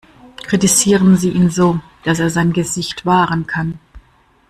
Kritisieren Sie ihn so, dass er sein Gesicht wahren kann.